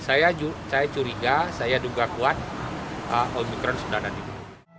saya curiga saya duga kuat omikron sudah ada di dulu